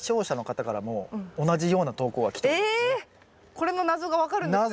これの謎が分かるんですね。